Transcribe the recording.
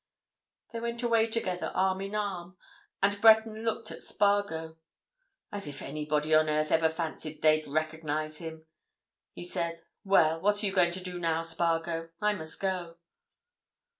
They went away together arm in arm, and Breton looked at Spargo. "As if anybody on earth ever fancied they'd recognize him!" he said. "Well—what are you going to do now, Spargo? I must go."